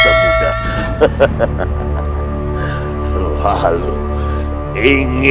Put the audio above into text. kau akan menang